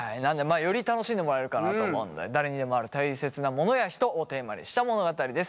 より楽しんでもらえるかなと思うので誰にでもあるたいせつなものや人をテーマにした物語です。